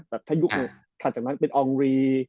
ถ้ายุคถัดจากนั้นเป็นอองรี